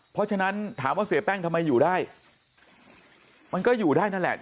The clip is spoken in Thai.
เพราะฉะนั้นถามว่าเสียแป้งทำไมอยู่ได้มันก็อยู่ได้นั่นแหละ